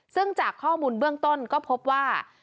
ซึ่งจากข้อมูลเบื้องต้นก็พบว่า